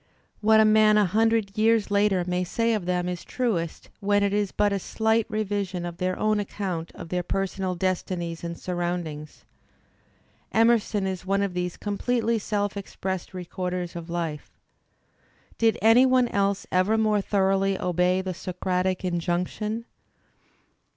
What a man a hundred years later may say of them is truest when it is but a slight revision of their own account of their personal destinies and siuround ings. Emerson is one of these completely self expressed v/ recorders of life. Did any one else ever more thoroughly obey the Socratic injunction?